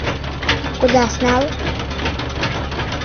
Кудаш нал!